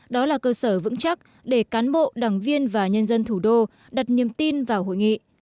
đó là cơ sở vững chắc để cán bộ đảng viên và nhân dân thủ đô đặt niềm tin vào hội nghị